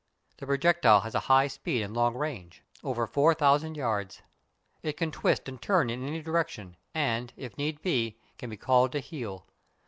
The projectile has a high speed and long range over four thousand yards. It can twist and turn in any direction, and, if need be, be called to heel.